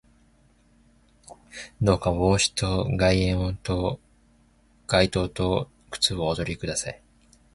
どうか帽子と外套と靴をおとり下さい